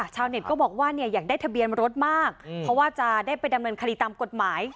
เน็ตก็บอกว่าเนี่ยอยากได้ทะเบียนรถมากเพราะว่าจะได้ไปดำเนินคดีตามกฎหมาย